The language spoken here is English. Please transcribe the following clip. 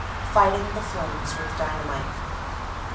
Fighting the Flames With Dynamite.